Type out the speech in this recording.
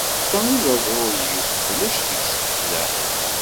D netta i d aẓru-iw, ulac deg-s lexdeɛ.